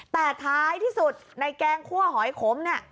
แต่ท้ายที่สุดในแกงคั่วหอยขมเนี่ย